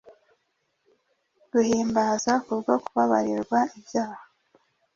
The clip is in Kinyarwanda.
guhimbaza kubwo kubabarirwa ibyaha.